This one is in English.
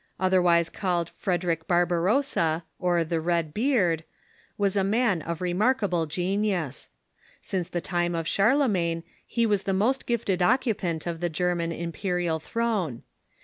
otherwise called Frederic Barbarossa, or the Red Beard, was Hohenstaufens „ iii • o ^t.. r a man or remarkable genius, femce the time or Charlemagne he was the most gifted occupant of the German imperial throne.